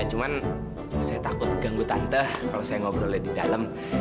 cuman saya takut ganggu tanteh kalau saya ngobrolnya di dalam